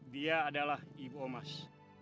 dia adalah ibu omas